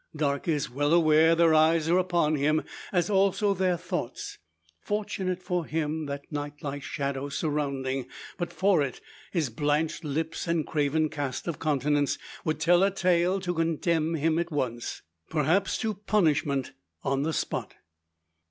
Darke is well aware their eyes are upon him, as also their thoughts. Fortunate for him, that night like shadow surrounding. But for it, his blanched lips, and craven cast of countenance, would tell a tale to condemn him at once perhaps to punishment on the spot.